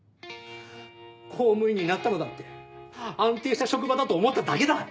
公務員になったのだって安定した職場だと思っただけだ。